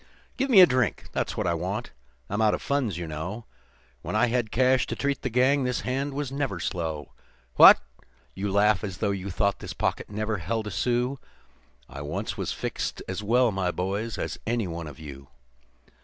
"Give me a drink that's what I want I'm out of funds, you know, When I had cash to treat the gang this hand was never slow. What? You laugh as if you thought this pocket never held a sou; I once was fixed as well, my boys, as any one of you.